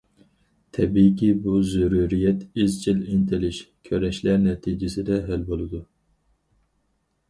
تەبىئىيكى، بۇ زۆرۈرىيەت ئىزچىل ئىنتىلىش، كۈرەشلەر نەتىجىسىدە ھەل بولىدۇ.